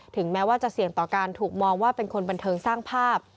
แม้ว่าจะเสี่ยงต่อการถูกมองว่าเป็นคนบันเทิงสร้างภาพ